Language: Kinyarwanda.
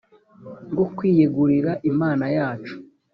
bwo kwiyegurira imana yacu